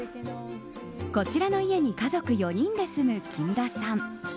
こちらの家に家族４人で住む木村さん。